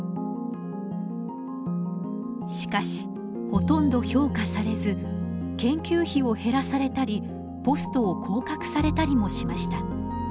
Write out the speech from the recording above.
しかしほとんど評価されず研究費を減らされたりポストを降格されたりもしました。